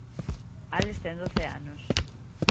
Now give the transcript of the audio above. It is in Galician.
Álex ten doce anos.